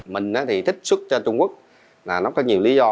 mình thì thích xuất cho trung quốc là nó có nhiều lý do